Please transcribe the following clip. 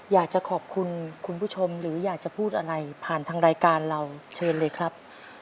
อยากจะขอบคุณคุณผู้ชมหรืออยากจะพูดอะไรผ่านทางรายการเราเชิญเลยครับ